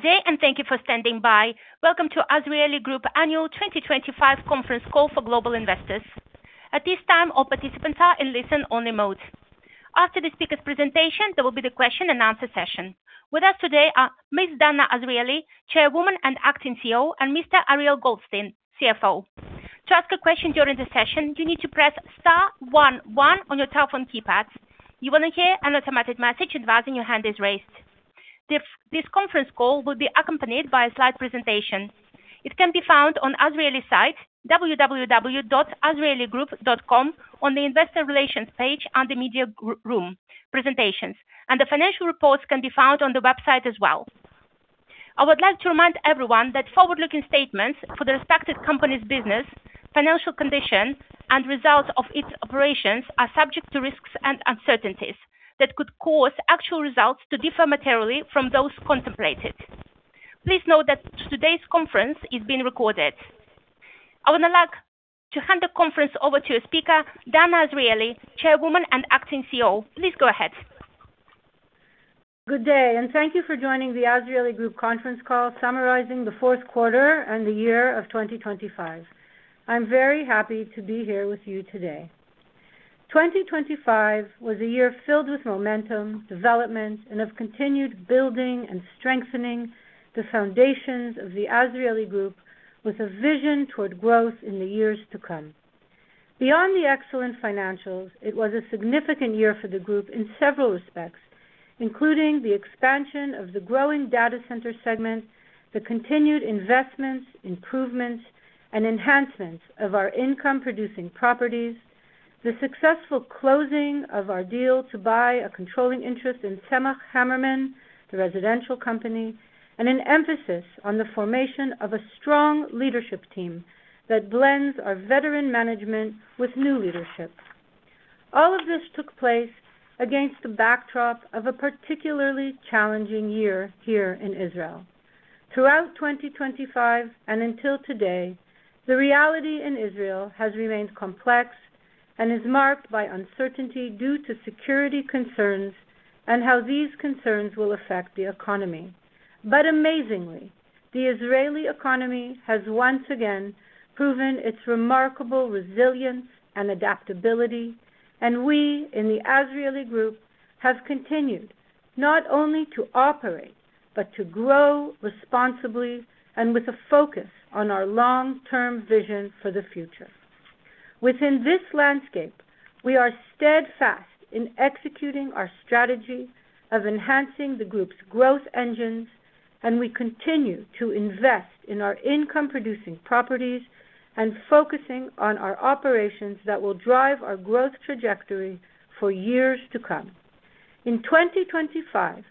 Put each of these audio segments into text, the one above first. Good day, and thank you for standing by. Welcome to Azrieli Group Annual 2025 Conference Call for Global Investors. At this time, all participants are in listen-only mode. After the speaker's presentation, there will be the question and answer session. With us today are Ms. Danna Azrieli, Chairwoman and Acting CEO, and Mr. Ariel Goldstein, CFO. To ask a question during the session, you need to press star one, one on your telephone keypad. You will hear an automatic message advising your hand is raised. This conference call will be accompanied by a slide presentation. It can be found on Azrieli site www.azrieligroup.com on the investor relations page, and the media room presentations and the financial reports can be found on the website as well. I would like to remind everyone that forward-looking statements for the respective company's business, financial condition, and results of its operations are subject to risks and uncertainties that could cause actual results to differ materially from those contemplated. Please note that today's conference is being recorded. I would like to hand the conference over to a speaker, Danna Azrieli, Chairwoman and Acting CEO. Please go ahead. Good day, and thank you for joining the Azrieli Group Conference Call summarizing the Q4 in the year of 2025. I'm very happy to be here with you today. 2025 was a year filled with momentum, development, and of continued building and strengthening the foundations of the Azrieli Group with a vision toward growth in the years to come. Beyond the excellent financials, it was a significant year for the group in several respects, including the expansion of the growing data center segment, the continued investments, improvements, and enhancements of our income producing properties, the successful closing of our deal to buy a controlling interest in Tzemach Hammerman, the residential company, and an emphasis on the formation of a strong leadership team that blends our veteran management with new leadership. All of this took place against the backdrop of a particularly challenging year here in Israel. Throughout 2025, and until today, the reality in Israel has remained complex and is marked by uncertainty due to security concerns and how these concerns will affect the economy. Amazingly, the Israeli economy has once again proven its remarkable resilience and adaptability, and we in the Azrieli Group have continued not only to operate, but to grow responsibly and with a focus on our long-term vision for the future. Within this landscape, we are steadfast in executing our strategy of enhancing the group's growth engines, and we continue to invest in our income producing properties and focusing on our operations that will drive our growth trajectory for years to come. In 2025,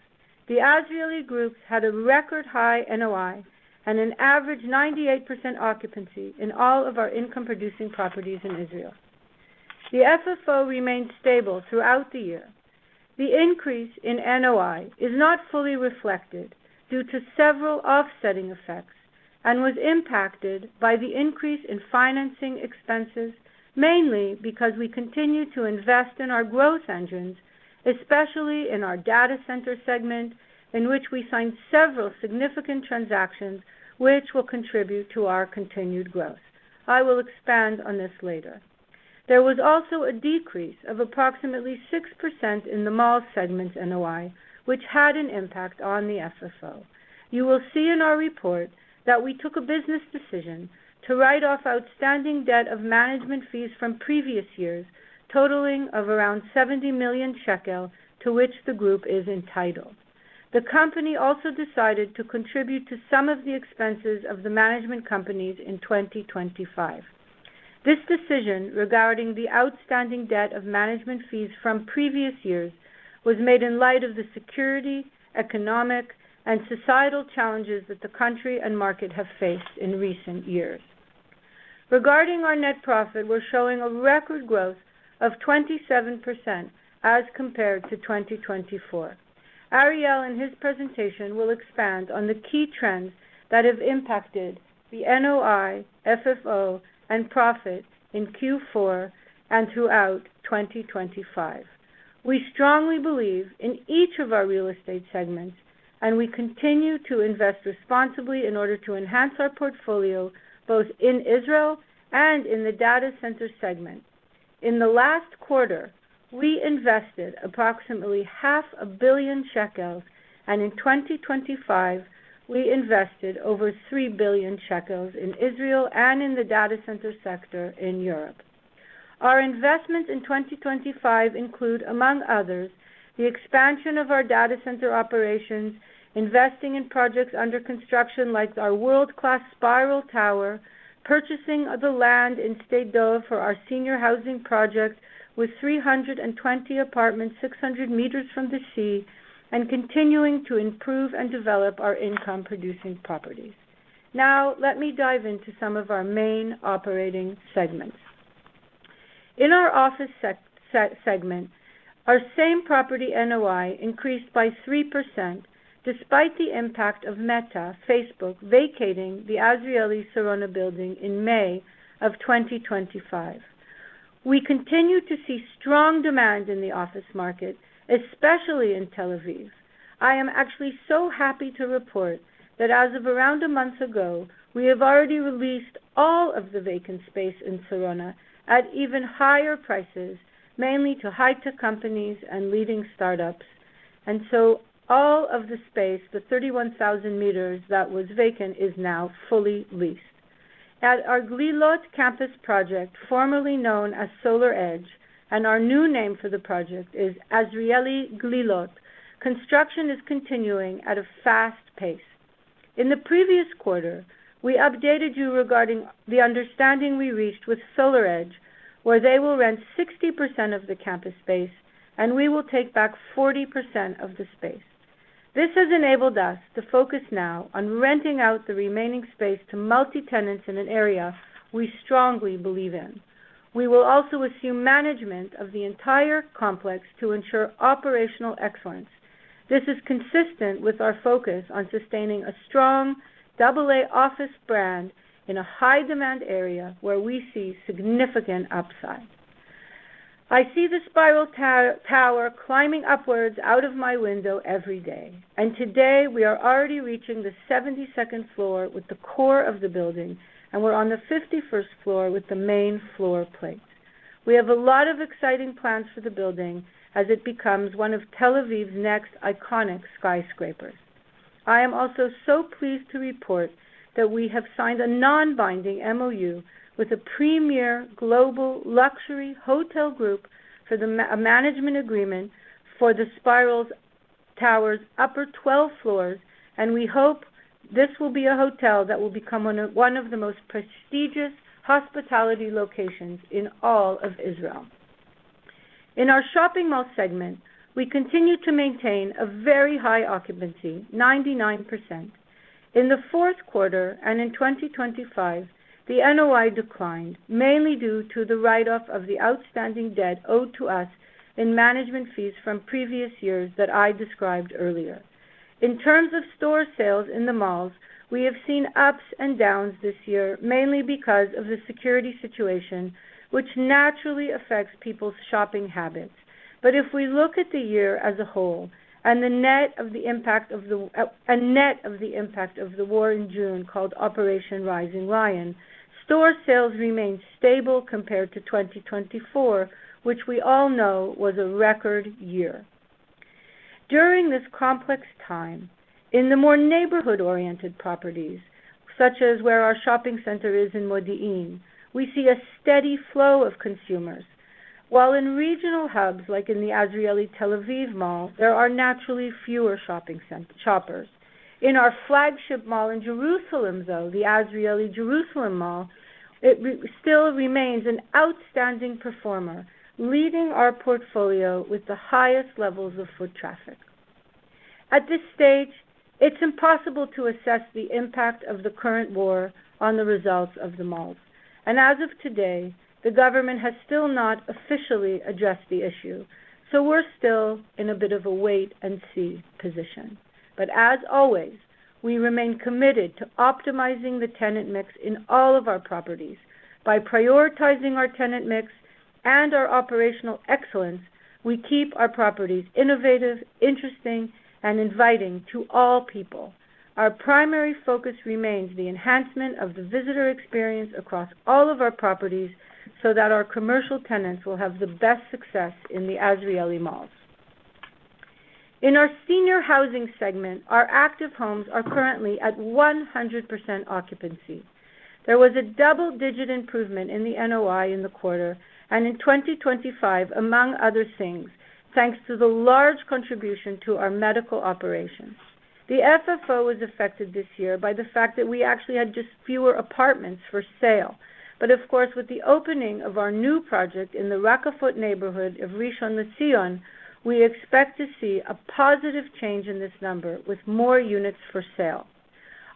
the Azrieli Group had a record high NOI and an average 98% occupancy in all of our income producing properties in Israel. The FFO remained stable throughout the year. The increase in NOI is not fully reflected due to several offsetting effects, and was impacted by the increase in financing expenses, mainly because we continue to invest in our growth engines, especially in our data center segment, in which we signed several significant transactions which will contribute to our continued growth. I will expand on this later. There was also a decrease of approximately 6% in the mall segment's NOI, which had an impact on the FFO. You will see in our report that we took a business decision to write off outstanding debt of management fees from previous years totaling of around 70 million shekel, to which the group is entitled. The company also decided to contribute to some of the expenses of the management companies in 2025. This decision regarding the outstanding debt of management fees from previous years was made in light of the security, economic, and societal challenges that the country and market have faced in recent years. Regarding our net profit, we're showing a record growth of 27% as compared to 2024. Ariel in his presentation will expand on the key trends that have impacted the NOI, FFO, and profit in Q4 and throughout 2025. We strongly believe in each of our real estate segments, and we continue to invest responsibly in order to enhance our portfolio, both in Israel and in the data center segment. In the last quarter, we invested approximately ILS half a billion, and in 2025 we invested over 3 billion shekels in Israel and in the data center sector in Europe. Our investments in 2025 include, among others, the expansion of our data center operations, investing in projects under construction, like our world-class spiral tower, purchasing of the land in Sde Dov for our senior housing project with 320 apartments, 600 meters from the sea, and continuing to improve and develop our income producing properties. Now, let me dive into some of our main operating segments. In our office segment, our same property NOI increased by 3% despite the impact of Meta, Facebook vacating the Azrieli Sarona building in May 2025. We continue to see strong demand in the office market, especially in Tel Aviv. I am actually so happy to report that as of around a month ago, we have already leased all of the vacant space in Sarona at even higher prices, mainly to high-tech companies and leading startups. All of the space, the 31,000 meters that was vacant, is now fully leased. At our Glilot Campus project, formerly known as SolarEdge, and our new name for the project is Azrieli Glilot. Construction is continuing at a fast pace. In the previous quarter, we updated you regarding the understanding we reached with SolarEdge, where they will rent 60% of the campus space and we will take back 40% of the space. This has enabled us to focus now on renting out the remaining space to multi-tenants in an area we strongly believe in. We will also assume management of the entire complex to ensure operational excellence. This is consistent with our focus on sustaining a strong double-A office brand in a high-demand area where we see significant upside. I see the Spiral Tower climbing upwards out of my window every day, and today we are already reaching the 72nd floor with the core of the building, and we're on the 51st floor with the main floor plate. We have a lot of exciting plans for the building as it becomes one of Tel Aviv's next iconic skyscrapers. I am also so pleased to report that we have signed a non-binding MoU with a premier global luxury hotel group for a management agreement for the Spiral Tower's upper 12 floors, and we hope this will be a hotel that will become one of, one of the most prestigious hospitality locations in all of Israel. In our shopping mall segment, we continue to maintain a very high occupancy, 99%. In the Q4 and in 2025, the NOI declined, mainly due to the write-off of the outstanding debt owed to us in management fees from previous years that I described earlier. In terms of store sales in the malls, we have seen ups and downs this year, mainly because of the security situation, which naturally affects people's shopping habits. If we look at the year as a whole and the net of the impact of the war in June, called Operation Rising Lion, store sales remained stable compared to 2024, which we all know was a record year. During this complex time, in the more neighborhood-oriented properties, such as where our shopping center is in Modi'in, we see a steady flow of consumers, while in regional hubs, like in the Azrieli Tel Aviv Mall, there are naturally fewer shoppers. In our flagship mall in Jerusalem, though, the Azrieli Jerusalem Mall, it still remains an outstanding performer, leading our portfolio with the highest levels of foot traffic. At this stage, it's impossible to assess the impact of the current war on the results of the malls. As of today, the government has still not officially addressed the issue, so we're still in a bit of a wait and see position. As always, we remain committed to optimizing the tenant mix in all of our properties. By prioritizing our tenant mix and our operational excellence, we keep our properties innovative, interesting, and inviting to all people. Our primary focus remains the enhancement of the visitor experience across all of our properties, so that our commercial tenants will have the best success in the Azrieli malls. In our senior housing segment, our active homes are currently at 100% occupancy. There was a double-digit improvement in the NOI in the quarter and in 2025, among other things, thanks to the large contribution to our medical operations. The FFO was affected this year by the fact that we actually had just fewer apartments for sale. Of course, with the opening of our new project in the Rakafot neighborhood of Rishon LeZion, we expect to see a positive change in this number with more units for sale.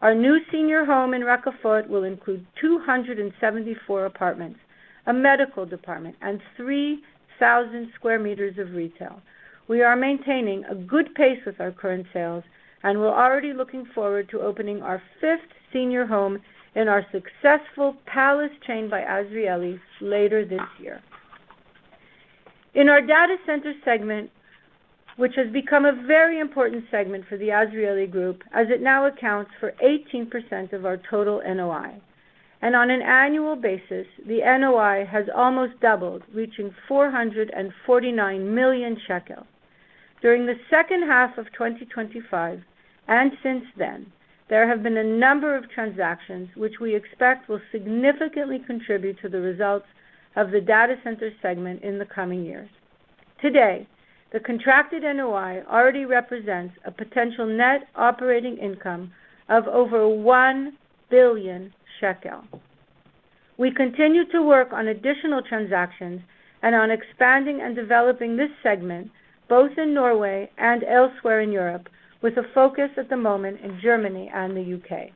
Our new senior home in Rakafot will include 274 apartments, a medical department, and 3,000 square meters of retail. We are maintaining a good pace with our current sales, and we're already looking forward to opening our fifth senior home in our successful Palace chain by Azrieli Group later this year. In our data center segment, which has become a very important segment for the Azrieli Group, as it now accounts for 18% of our total NOI. On an annual basis, the NOI has almost doubled, reaching 449 million shekel. During the second half of 2025, and since then, there have been a number of transactions which we expect will significantly contribute to the results of the data center segment in the coming years. Today, the contracted NOI already represents a potential net operating income of over 1 billion shekel. We continue to work on additional transactions and on expanding and developing this segment, both in Norway and elsewhere in Europe, with a focus at the moment in Germany and the U.K.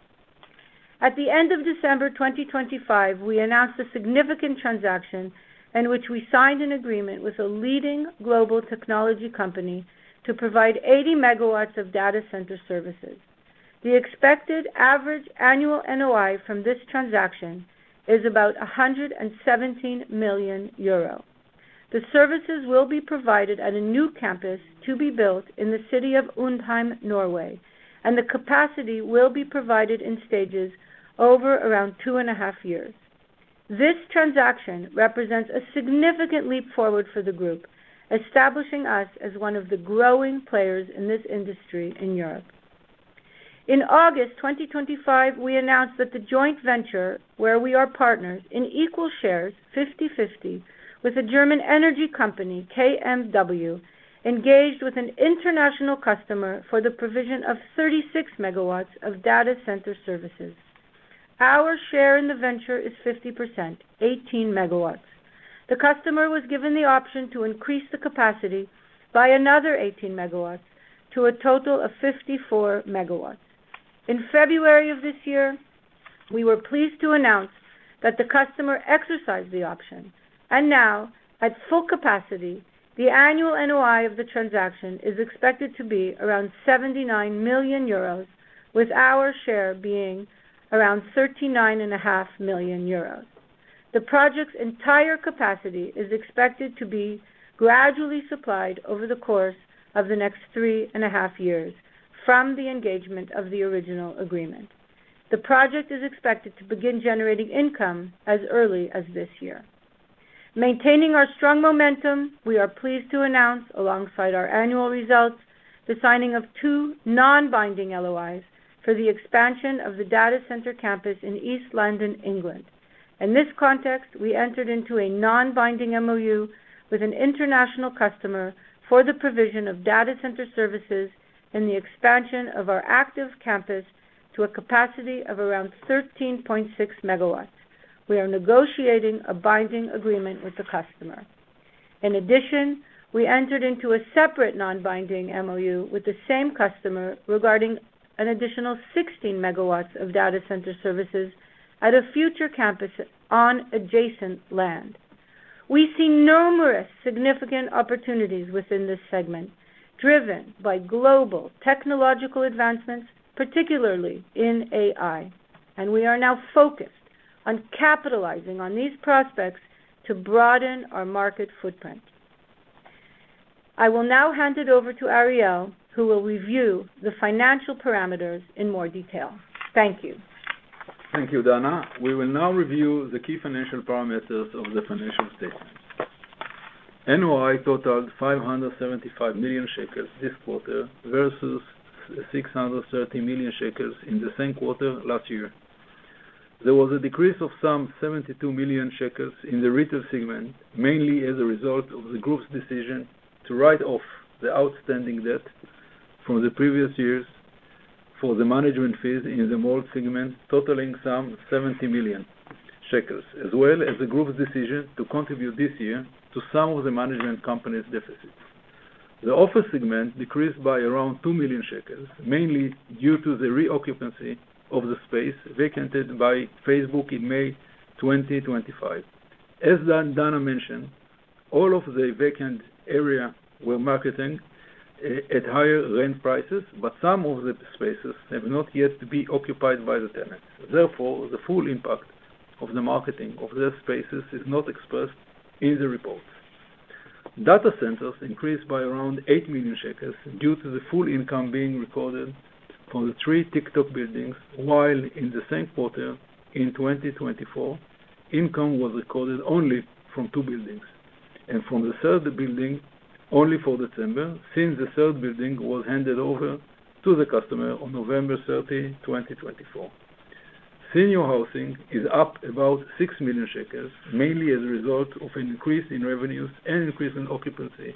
At the end of December 2025, we announced a significant transaction in which we signed an agreement with a leading global technology company to provide 80 MW of data center services. The expected average annual NOI from this transaction is about 117 million euro. The services will be provided at a new campus to be built in the city of Undheim, Norway, and the capacity will be provided in stages over around 2.5 years. This transaction represents a significant leap forward for the group, establishing us as one of the growing players in this industry in Europe. In August 2025, we announced that the joint venture, where we are partners in equal shares, 50/50, with a German energy company, KMW, engaged with an international customer for the provision of 36 MW of data center services. Our share in the venture is 50%, 18 MW. The customer was given the option to increase the capacity by another 18 MW to a total of 54 MW. In February of this year, we were pleased to announce that the customer exercised the option, and now at full capacity, the annual NOI of the transaction is expected to be around 79 million euros, with our share being around 39 and a half million. The project's entire capacity is expected to be gradually supplied over the course of the next three and a half years from the engagement of the original agreement. The project is expected to begin generating income as early as this year. Maintaining our strong momentum, we are pleased to announce, alongside our annual results, the signing of two non-binding LOIs for the expansion of the data center campus in East London, England. In this context, we entered into a non-binding MoU with an international customer for the provision of data center services and the expansion of our active campus to a capacity of around 13.6 MW. We are negotiating a binding agreement with the customer. In addition, we entered into a separate non-binding MoU with the same customer regarding an additional 16 MW of data center services at a future campus on adjacent land. We see numerous significant opportunities within this segment, driven by global technological advancements, particularly in AI, and we are now focused on capitalizing on these prospects to broaden our market footprint. I will now hand it over to Ariel, who will review the financial parameters in more detail. Thank you. Thank you, Danna. We will now review the key financial parameters of the financial statement. NOI totaled 575 million shekels this quarter versus 630 million shekels in the same quarter last year. There was a decrease of some 72 million shekels in the retail segment, mainly as a result of the group's decision to write off the outstanding debt from the previous years for the management fees in the mall segment, totaling some 70 million shekels, as well as the group's decision to contribute this year to some of the management company's deficits. The office segment decreased by around 2 million shekels, mainly due to the reoccupancy of the space vacated by Facebook in May 2025. As Dana mentioned, all of the vacant area we're marketing at higher rent prices, but some of the spaces have not yet to be occupied by the tenants. Therefore, the full impact of the marketing of their spaces is not expressed in the report. Data centers increased by around 8 million shekels due to the full income being recorded from the three TikTok buildings, while in the same quarter in 2024, income was recorded only from two buildings, and from the third building only for December, since the third building was handed over to the customer on November 30, 2024. Senior housing is up about 6 million shekels, mainly as a result of an increase in revenues and increase in occupancy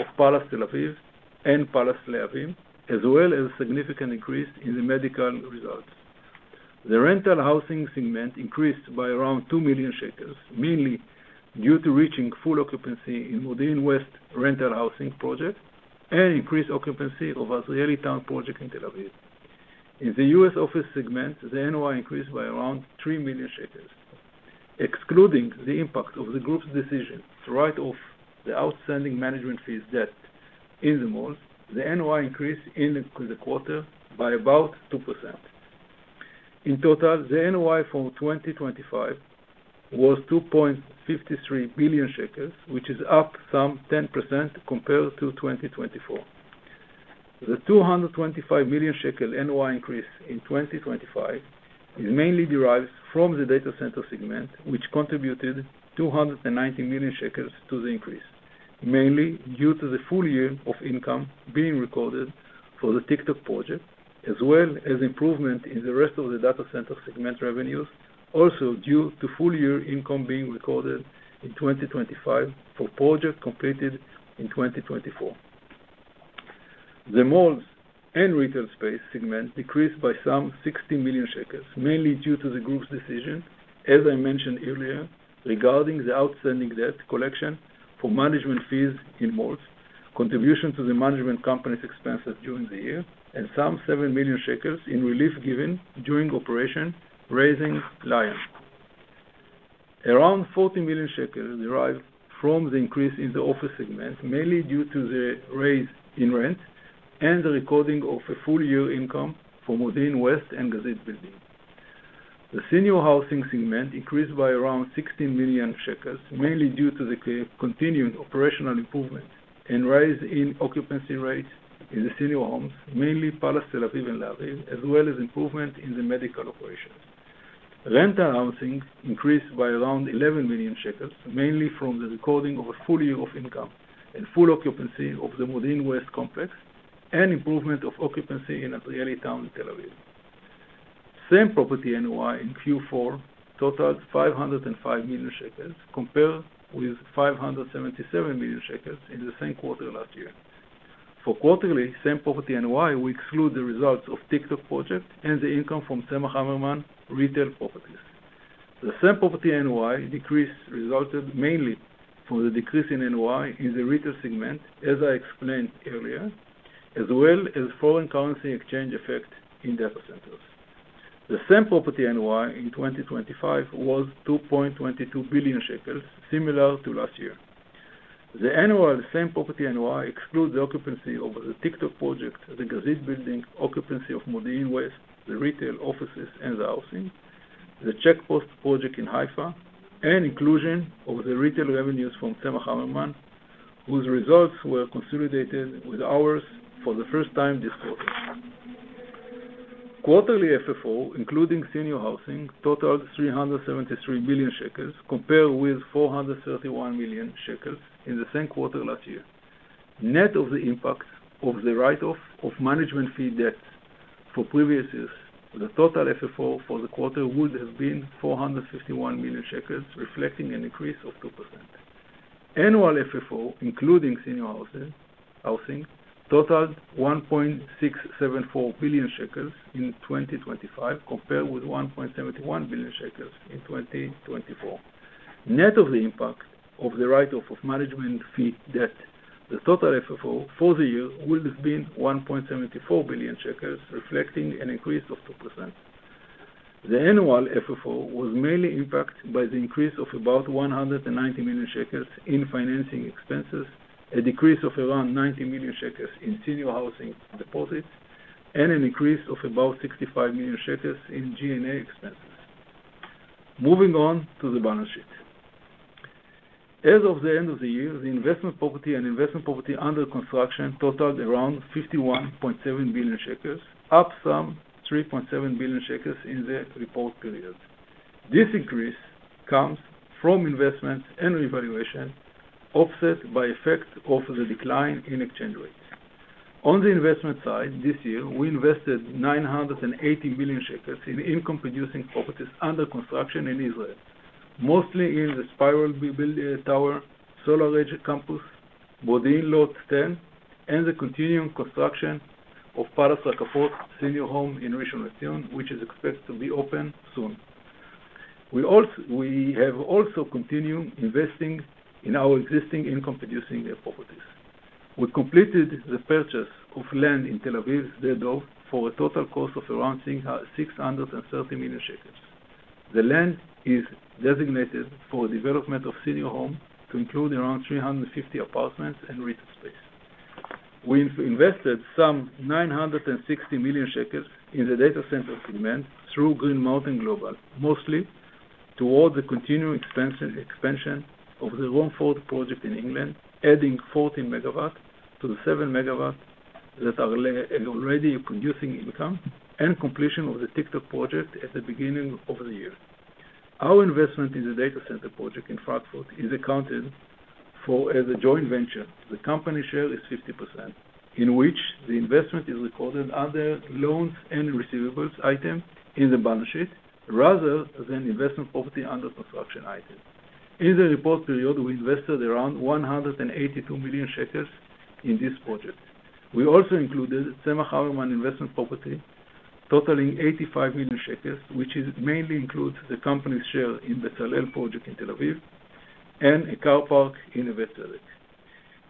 of Palace Tel Aviv and Palace Lehavim, as well as a significant increase in the medical results. The rental housing segment increased by around 2 million shekels, mainly due to reaching full occupancy in Modiin West rental housing project and increased occupancy of Azrieli Town project in Tel Aviv. In the U.S. office segment, the NOI increased by around 3 million shekels. Excluding the impact of the group's decision to write off the outstanding management fees debt in the malls, the NOI increased in the quarter by about 2%. In total, the NOI for 2025 was 2.53 billion shekels, which is up some 10% compared to 2024. The 225 million shekel NOI increase in 2025 is mainly derived from the data center segment, which contributed 290 million shekels to the increase, mainly due to the full year of income being recorded for the TikTok project, as well as improvement in the rest of the data center segment revenues, also due to full year income being recorded in 2025 for project completed in 2024. The malls and retail space segment decreased by some 60 million shekels, mainly due to the group's decision, as I mentioned earlier, regarding the outstanding debt collection for management fees in malls, contribution to the management company's expenses during the year, and some 7 million shekels in relief given during Operation Rising Lion. Around 40 million shekels derived from the increase in the office segment, mainly due to the rise in rent and the recording of a full year income for Modin West and Gazit building. The senior housing segment increased by around 16 million shekels, mainly due to the continued operational improvement and rise in occupancy rates in the senior homes, mainly Palace Tel Aviv and Palace Lehavim, as well as improvement in the medical operations. Rental housing increased by around 11 million shekels, mainly from the recording of a full year of income and full occupancy of the Modi'in West complex and improvement of occupancy in Azrieli Town, Tel Aviv. Same-property NOI in Q4 totaled 505 million shekels, compared with 577 million shekels in the same quarter last year. For quarterly same-property NOI, we exclude the results of TikTok project and the income from Tzemach Hammerman retail properties. The same-property NOI decrease resulted mainly from the decrease in NOI in the retail segment, as I explained earlier, as well as foreign currency exchange effect in data centers. The same-property NOI in 2025 was 2.22 billion shekels, similar to last year. The annual same-property NOI excludes the occupancy of the TikTok project, the Gazit building, occupancy of Modin West, the retail offices, and the housing, the Checkpost project in Haifa, and inclusion of the retail revenues from Tzemach Hammerman, whose results were consolidated with ours for the first time this quarter. Quarterly FFO, including senior housing, totaled 373 million shekels, compared with 431 million shekels in the same quarter last year. Net of the impact of the write off of management fee debt for previous years, the total FFO for the quarter would have been 451 million shekels, reflecting an increase of 2%. Annual FFO, including senior housing, totaled 1.674 billion shekels in 2025, compared with 1.71 billion shekels in 2024. Net of the impact of the write off of management fee debt, the total FFO for the year would have been 1.74 billion, reflecting an increase of 2%. The annual FFO was mainly impacted by the increase of about 190 million shekels in financing expenses, a decrease of around 90 million shekels in senior housing deposits, and an increase of about 65 million shekels in G&A expenses. Moving on to the balance sheet. As of the end of the year, the investment property and investment property under construction totaled around 51.7 billion shekels, up some 3.7 billion shekels in the report period. This increase comes from investments and revaluation, offset by effect of the decline in exchange rates. On the investment side, this year, we invested 980 million shekels in income-producing properties under construction in Israel, mostly in the Spiral Tower, SolarEdge Campus, Modi'in Lot 10, and the continuing construction of Palace Rakafot Senior Home in Rishon LeZion, which is expected to be open soon. We have also continued investing in our existing income-producing properties. We completed the purchase of land in Tel Aviv's Sde Dov for a total cost of around 630 million shekels. The land is designated for development of senior home to include around 350 apartments and retail space. We've invested 960 million shekels in the data center segment through Green Mountain Global, mostly toward the continuing expansion of the Romford project in England, adding 14 MW to the 7 MW that are already producing income and completion of the TikTok project at the beginning of the year. Our investment in the data center project in Frankfurt is accounted for as a joint venture. The company's share is 50%, in which the investment is recorded under loans and receivables item in the balance sheet, rather than investment property under construction item. In the report period, we invested around 182 million shekels in this project. We also included Tzemach Hammerman investment property totaling 85 million shekels, which mainly includes the company's share in the Salel project in Tel Aviv and a car park in Kfar Hayarok.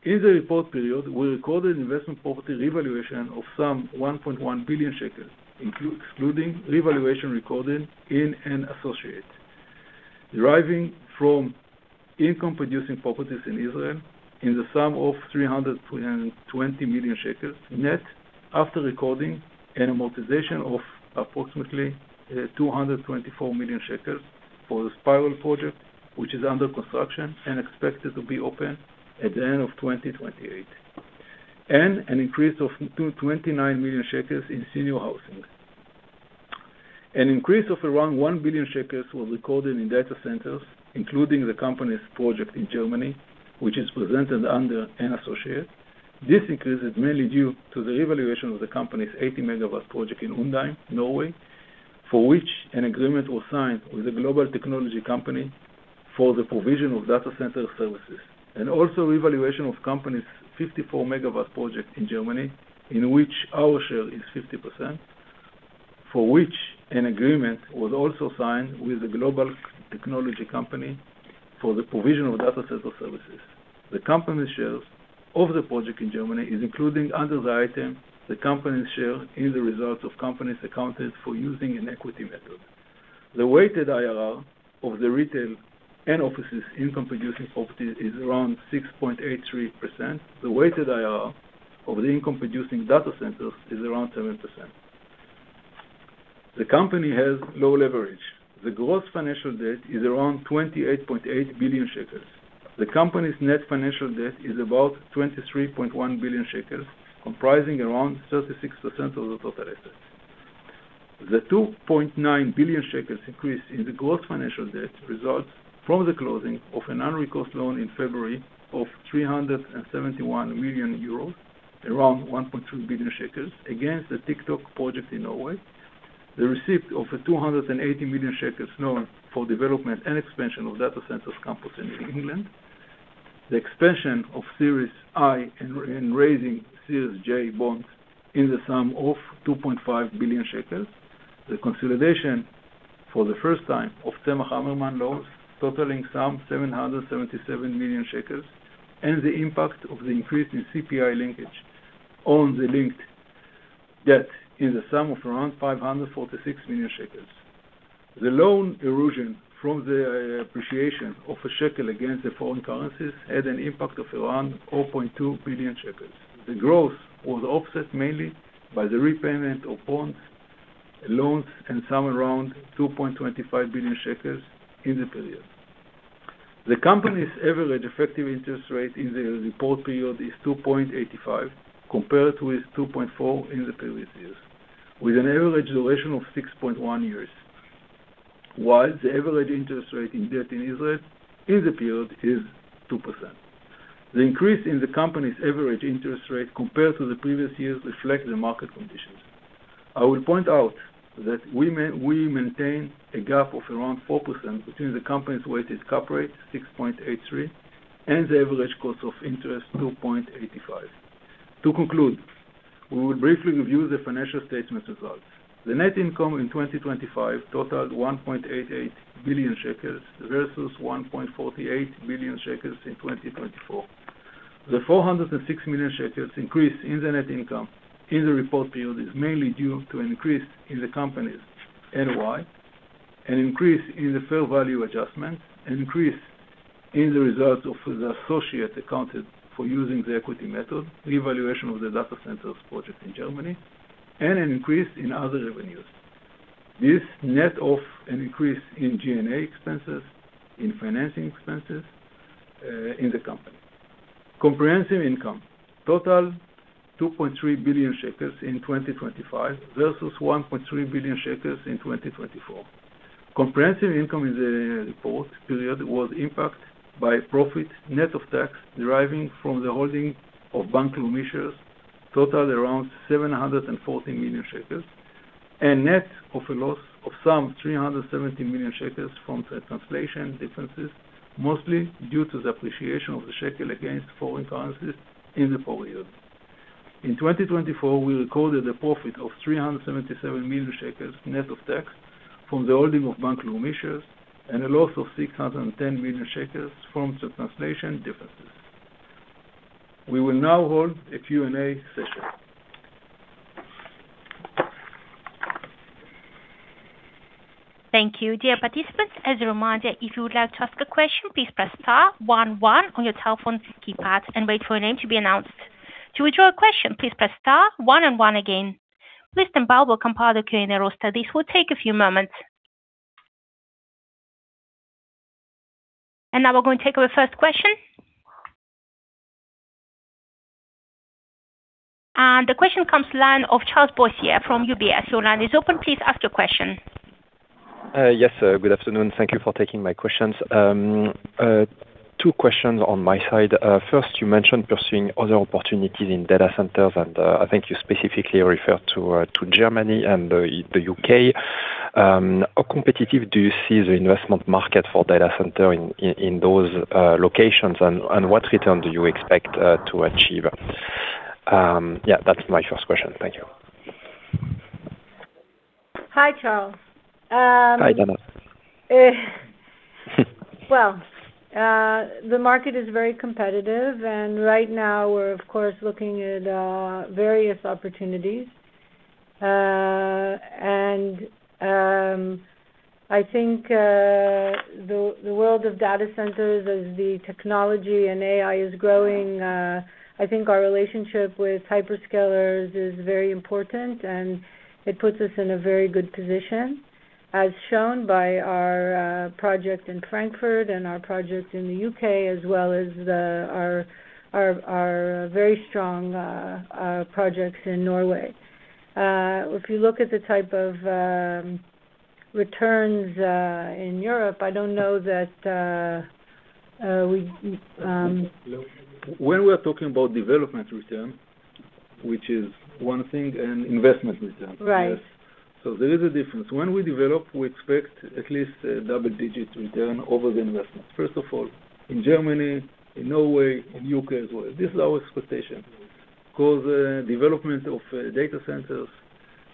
In the report period, we recorded investment property revaluation of some 1.1 billion shekels, excluding revaluation recorded in an associate, deriving from income-producing properties in Israel in the sum of 320 million shekels net after recording an amortization of approximately 224 million shekels for the Spiral project, which is under construction and expected to be open at the end of 2028. An increase of 29 million shekels in senior housing. An increase of around 1 billion shekels was recorded in data centers, including the company's project in Germany, which is presented under an associate. This increase is mainly due to the revaluation of the company's 80 MW project in Undheim, Norway, for which an agreement was signed with a global technology company for the provision of data center services, and also revaluation of the company's 54 MW project in Germany, in which our share is 50%, for which an agreement was also signed with a global technology company for the provision of data center services. The company's share of the project in Germany is included under the item, the company's share in the results of companies accounted for using an equity method. The weighted IRR of the retail and offices income producing properties is around 6.83%. The weighted IRR of the income producing data centers is around 7%. The company has low leverage. The gross financial debt is around 28.8 billion shekels. The company's net financial debt is about 23.1 billion shekels, comprising around 36% of the total assets. The 2.9 billion shekels increase in the gross financial debt results from the closing of a non-recourse loan in February of 371 million euros, around 1.2 billion shekels, against the TikTok project in Norway. The receipt of a 280 million shekels loan for development and expansion of data centers campus in England. The expansion of Series I and raising Series J bonds in the sum of 2.5 billion shekels. The consolidation for the first time of Tzemach Hammerman loans totaling some 777 million shekels. The impact of the increase in CPI linkage on the linked debt in the sum of around 546 million shekels. The loan erosion from the appreciation of a shekel against the foreign currencies had an impact of around 4.2 billion shekels. The growth was offset mainly by the repayment of bonds, loans, and some around 2.25 billion shekels in the period. The company's average effective interest rate in the report period is 2.85, compared to its 2.4 in the previous years, with an average duration of 6.1 years. While the average interest rate in debt in Israel in the period is 2%. The increase in the company's average interest rate compared to the previous years reflect the market conditions. I will point out that we maintain a gap of around 4% between the company's weighted cap rate, 6.83, and the average cost of interest, 2.85. To conclude, we will briefly review the financial statement results. The net income in 2025 totaled 1.88 billion shekels, versus 1.48 billion shekels in 2024. The 406 million shekels increase in the net income in the report period is mainly due to an increase in the company's NOI, an increase in the fair value adjustment, an increase in the results of the associate accounted for using the equity method, revaluation of the data centers project in Germany, and an increase in other revenues. This net of an increase in G&A expenses, in financing expenses, in the company. Comprehensive income totaled 2.3 billion shekels in 2025 versus 1.3 billion shekels in 2024. Comprehensive income in the report period was impacted by profit net of tax deriving from the holding of Bank Leumi shares totaled around 714 million, and net of a loss of some 317 million from the translation differences, mostly due to the appreciation of the shekel against foreign currencies in the four years. In 2024, we recorded a profit of 377 million shekels net of tax from the holding of Bank Leumi shares and a loss of 610 million shekels from the translation differences. We will now hold a Q&A session. Thank you. Dear participants, as a reminder, if you would like to ask a question, please press star one, one on your telephone keypad and wait for your name to be announced. To withdraw a question, please press star one and one again. Please stand by while we compile the Q&A roster. This will take a few moments. Now we're going to take our first question. The question comes from the line of Charles Boissier from UBS. Your line is open. Please ask your question. Yes. Good afternoon. Thank you for taking my questions. Two questions on my side. First, you mentioned pursuing other opportunities in data centers, and I think you specifically referred to Germany and the U.K. How competitive do you see the investment market for data center in those locations and what return do you expect to achieve? Yeah, that's my first question. Thank you. Hi, Charles. Hi, Danna. Well, the market is very competitive, and right now we're of course looking at various opportunities. I think the world of data centers as the technology and AI is growing, I think our relationship with hyperscalers is very important, and it puts us in a very good position, as shown by our project in Frankfurt and our projects in the U.K., as well as our very strong projects in Norway. If you look at the type of returns in Europe, I don't know that. When we are talking about development return, which is one thing, and investment return. Right. Yes. There is a difference. When we develop, we expect at least a double-digit return over the investment. First of all, in Germany, in Norway, in the U.K. as well. This is our expectation, because development of data centers.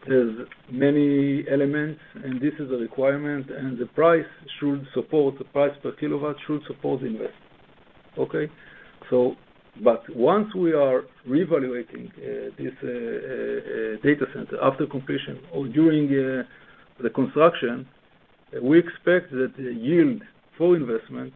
There's many elements, and this is a requirement, and the price should support, the price per kilowatt should support the investment. Okay? But once we are reevaluating this data center after completion or during the construction, we expect that the yield for investment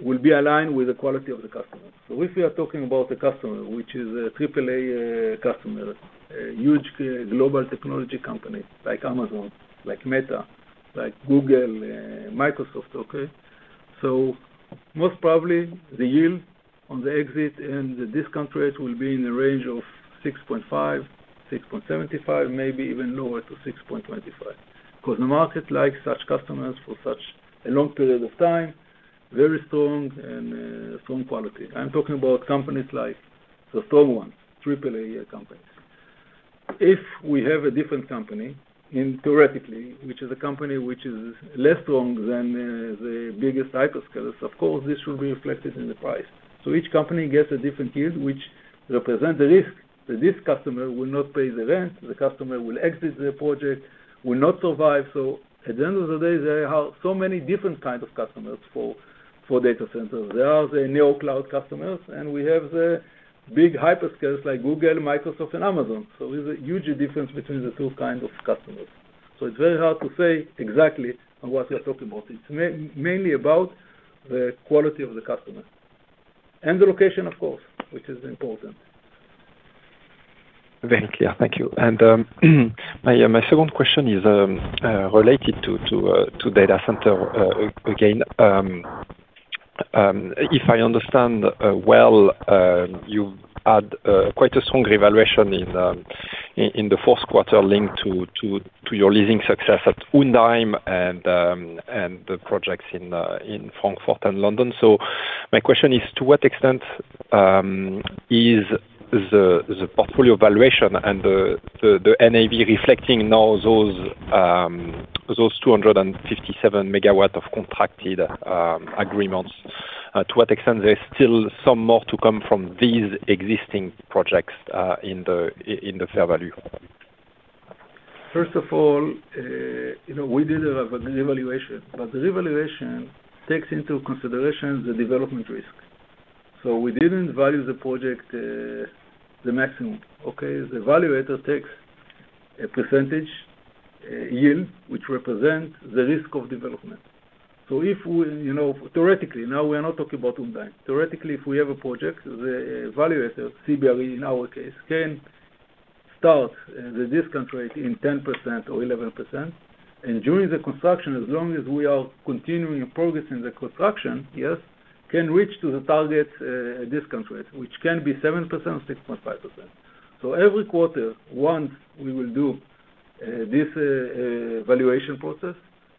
will be aligned with the quality of the customer. If we are talking about the customer, which is a triple-A customer, a huge global technology company like Amazon, like Meta, like Google, Microsoft, okay? Most probably the yield on the exit and the discount rate will be in the range of 6.5%-6.75%, maybe even lower to 6.25%, 'cause the market likes such customers for such a long period of time, very strong and strong quality. I'm talking about companies like the strong ones, triple A companies. If we have a different company, and theoretically, which is a company which is less strong than the biggest hyperscalers, of course, this should be reflected in the price. Each company gets a different yield, which represent the risk that this customer will not pay the rent, the customer will exit the project, will not survive. At the end of the day, there are so many different kind of customers for data centers. There are the neocloud customers, and we have the big hyperscalers like Google, Microsoft and Amazon. There's a huge difference between the two kind of customers. It's very hard to say exactly on what we are talking about. It's mainly about the quality of the customer and the location of course, which is important. Very clear. Thank you. My second question is related to data center again. If I understand well, you had quite a strong revaluation in the fourth quarter linked to your leasing success at Undheim and the projects in Frankfurt and London. My question is, to what extent is the portfolio valuation and the NAV reflecting now those 257 MW of contracted agreements? To what extent there's still some more to come from these existing projects in the fair value? First of all, you know, we did a revaluation, but the revaluation takes into consideration the development risk. We didn't value the project, the maximum. Okay? The evaluator takes a percentage, yield, which represents the risk of development. You know, theoretically, now we are not talking about Undheim. Theoretically, if we have a project, the evaluator, CBRE in our case, can start the discount rate in 10% or 11%, and during the construction, as long as we are continuing and progressing the construction, yes, can reach to the target, discount rate, which can be 7% or 6.5%. Every quarter, once we will do this valuation process,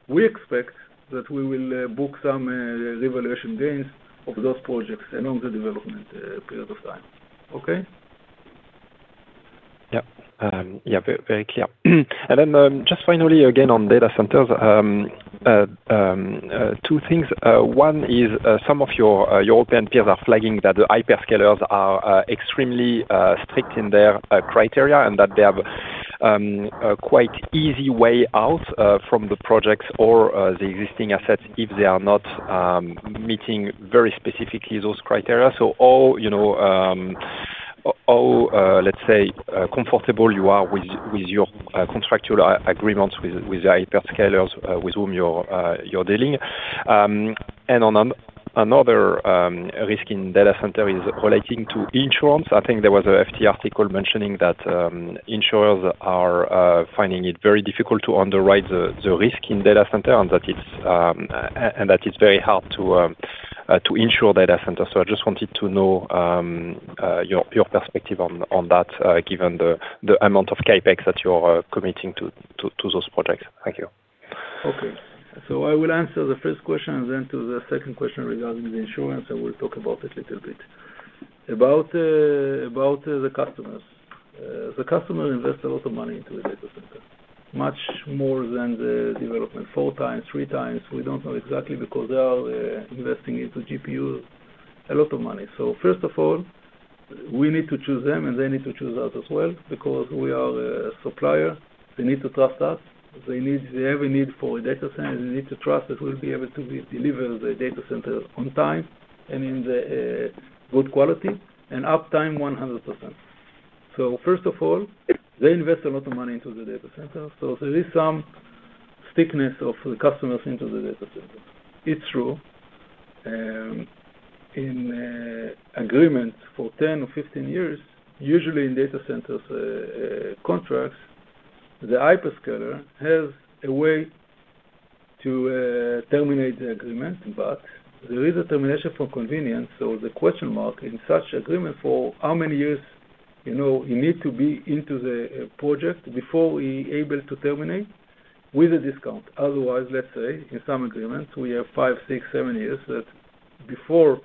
we expect that we will book some revaluation gains of those projects along the development, period of time. Okay? Yeah. Yeah, very clear. Just finally, again, on data centers, two things. One is, some of your European peers are flagging that the hyperscalers are extremely strict in their criteria, and that they have a quite easy way out from the projects or the existing assets if they are not meeting very specifically those criteria. How, you know, how, let's say, comfortable you are with your contractual agreements with the hyperscalers with whom you're dealing. On another risk in data centers is relating to insurance. I think there was a FT article mentioning that insurers are finding it very difficult to underwrite the risk in data center, and that it's very hard to insure data center. I just wanted to know your perspective on that given the amount of CapEx that you're committing to those projects. Thank you. Okay. I will answer the first question, and then to the second question regarding the insurance, I will talk about it a little bit. About the customers. The customer invest a lot of money into a data center, much more than the development. 4x, 3x. We don't know exactly because they are investing into GPU, a lot of money. First of all, we need to choose them, and they need to choose us as well because we are a supplier. They need to trust us. They need, they have a need for a data center. They need to trust that we'll be able to deliver the data center on time and in the good quality and uptime 100%. First of all, they invest a lot of money into the data center. There is some stickiness of the customers into the data center. It's true. In agreements for 10 or 15 years, usually in data centers, contracts, the hyperscaler has a way to terminate the agreement, but there is a termination for convenience. The question mark in such agreement for how many years, you know, you need to be into the project before we able to terminate with a discount. Otherwise, let's say in some agreements, we have five, six, seven years that before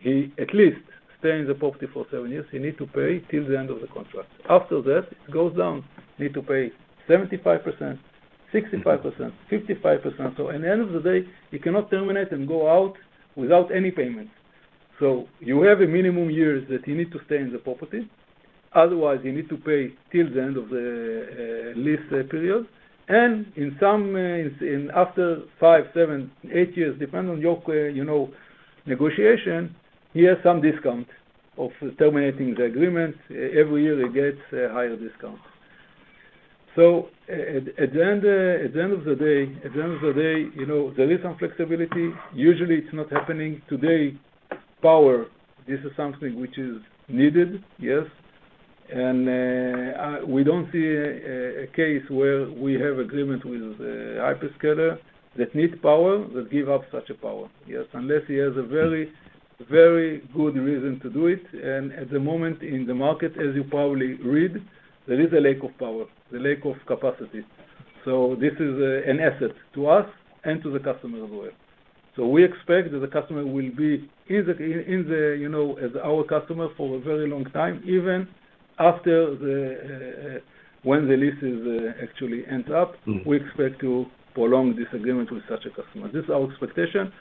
he at least stay in the property for seven years, he need to pay till the end of the contract. After that, it goes down. Need to pay 75%, 65%, 55%. At the end of the day, you cannot terminate and go out without any payment. You have a minimum years that you need to stay in the property. Otherwise, you need to pay till the end of the lease period. In some instances, after five, seven, eight years, depending on your you know negotiation, he has some discount of terminating the agreement. Every year, he gets a higher discount. At the end of the day, you know, there is some flexibility. Usually, it's not happening. Today, power, this is something which is needed, yes, and we don't see a case where we have agreement with hyperscaler that needs power, that give up such a power. Yes, unless he has a very, very good reason to do it. At the moment in the market, as you probably read, there is a lack of power, a lack of capacity. This is an asset to us and to the customer as well. We expect that the customer will be easily in the, you know, as our customer for a very long time, even after the, when the lease is, actually ends up. We expect to prolong this agreement with such a customer. This is our expectation,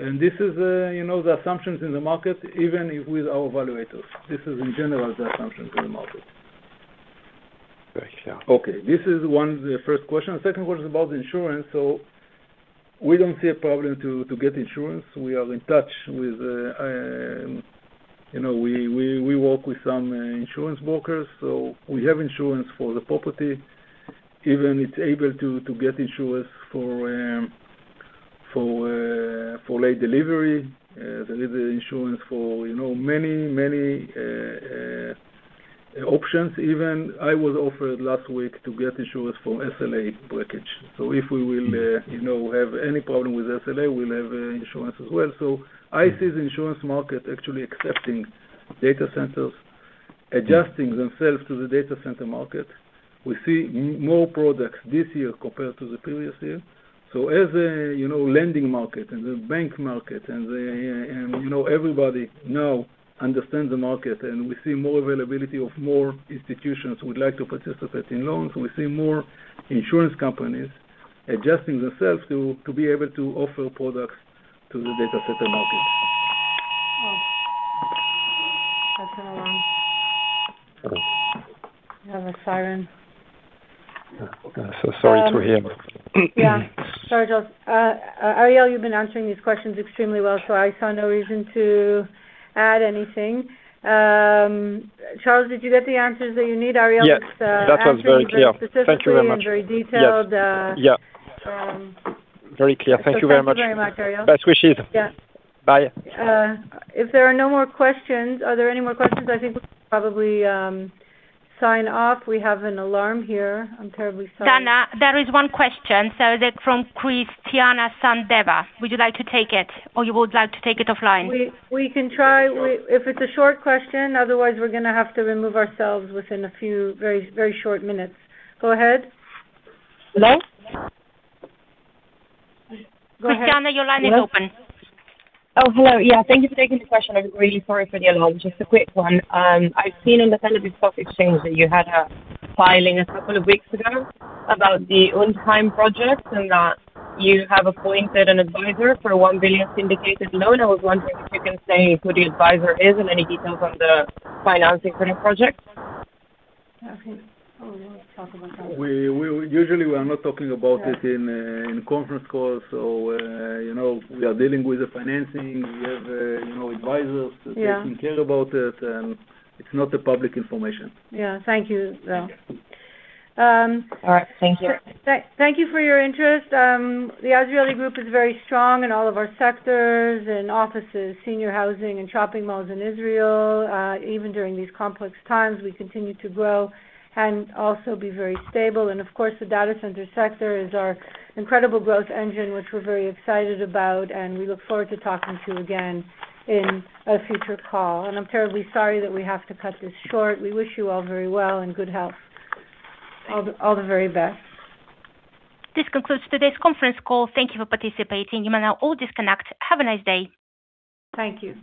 and this is, you know, the assumptions in the market, even with our evaluators. This is in general the assumption in the market. Very clear. Okay. This is one, the first question. The second question is about insurance. We don't see a problem to get insurance. We are in touch with, you know, we work with some insurance brokers, so we have insurance for the property. Even it's able to get insurance for late delivery. There is an insurance for, you know, many options even. I was offered last week to get insurance for SLA breakage. If we will, you know, have any problem with SLA, we'll have insurance as well. I see the insurance market actually accepting data centers, adjusting themselves to the data center market. We see more products this year compared to the previous year. As a, you know, lending market and the bank market and the, you know, everybody now understands the market, and we see more availability of more institutions who would like to participate in loans. We see more insurance companies adjusting themselves to be able to offer products to the data center market. Oh, that's an alarm. We have a siren. Yeah. Sorry to hear. Yeah. Sorry, Charles. Ariel, you've been answering these questions extremely well, so I saw no reason to add anything. Charles, did you get the answers that you need? Ariel- Yes. Answered them specifically. That was very clear. Thank you very much. Very detailed. Yes. Yeah. Very clear. Thank you very much. Thank you very much, Ariel. Best wishes. Yeah. Bye. If there are no more questions, are there any more questions? I think we can probably sign off. We have an alarm here. I'm terribly sorry. Danna, there is one question. Is it from Cristiana Sandeva? Would you like to take it, or you would like to take it offline? We can try. If it's a short question. Otherwise, we're gonna have to remove ourselves within a few very, very short minutes. Go ahead. Hello? Go ahead. Cristiana, your line is open. Oh, hello. Yeah. Thank you for taking the question. I'm really sorry for the alarm. Just a quick one. I've seen on the Tel Aviv Stock Exchange that you had a filing a couple of weeks ago about the Undheim projects and that you have appointed an advisor for a 1 billion syndicated loan. I was wondering if you can say who the advisor is and any details on the financing for the project. Okay. Who wants to talk about that one? We usually are not talking about it in conference calls. You know, we are dealing with the financing. We have, you know, advisors. Yeah. To take care about it, and it's not public information. Yeah. Thank you, though. All right. Thank you. Thank you for your interest. The Azrieli Group is very strong in all of our sectors and offices, senior housing and shopping malls in Israel. Even during these complex times, we continue to grow and also be very stable. Of course, the data center sector is our incredible growth engine, which we're very excited about, and we look forward to talking to you again in a future call. I'm terribly sorry that we have to cut this short. We wish you all very well and good health. All the very best. This concludes today's conference call. Thank you for participating. You may now all disconnect. Have a nice day. Thank you.